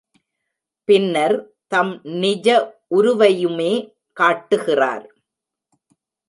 பின்னர் தம் நிஜ உருவையுமே காட்டுகிறார்.